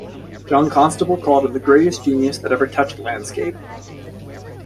John Constable called him the greatest genius that ever touched landscape.